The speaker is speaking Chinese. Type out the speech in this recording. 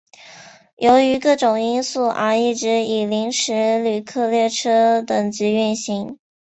由于各种因素而一直以临时旅客列车等级运行。